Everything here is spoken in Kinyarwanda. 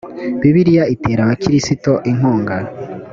bibiliya itera abakristo inkunga